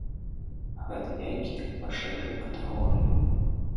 Гэта яйкі вышэйшай катэгорыі.